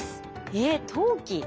えっ陶器？